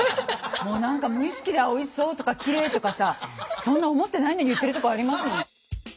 もう何か無意識で「あっおいしそう」とか「きれい」とかさそんな思ってないのに言ってるとこあります。